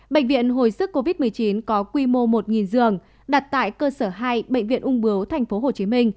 bệnh viện hồi sức covid một mươi chín có quy mô một giường đặt tại cơ sở hai bệnh viện ung bướu tp hcm